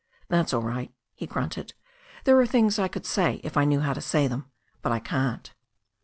"That's all right," he grunted. "There are things I could say if I knew how to say them, but I can't."